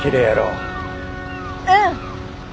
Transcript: うん。